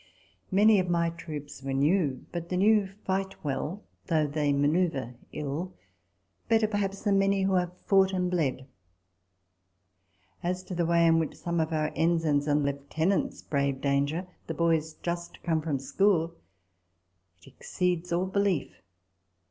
Many of my troops were new ; but the new fight well, though they manoeuvre ill ; better perhaps than many who have fought and bled. As to the way in which some of our ensigns and lieutenants braved danger the boys just come from school it exceeds all belief.